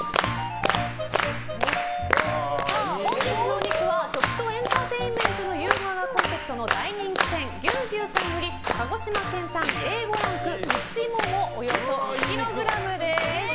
本日のお肉は食とエンターテインメントの融合がコンセプトの大人気店、牛牛さんより鹿児島県産Ａ５ランクうちももおよそ２ｋｇです。